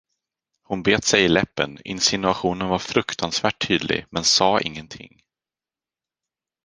Hon bet sig i läppen, insinuationen var fruktansvärt tydlig, men sade ingenting.